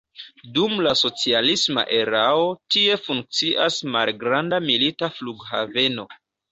Dum la socialisma erao tie funkciis malgranda milita flughaveno.